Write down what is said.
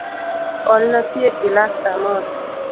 Olna pi e gilas amodhi.